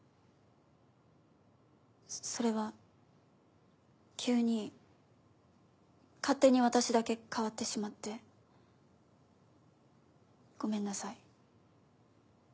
それは急に勝手に私だけ変わってしまってごめんなさい。